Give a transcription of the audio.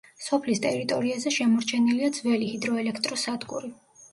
სოფლის ტერიტორიაზე შემორჩენილია ძველი, ჰიდროელექტროსადგური.